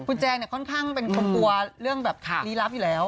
คุณแจงเนี่ยค่อนข้างเป็นคนกลัวรีรัมพอยู่เแล้ว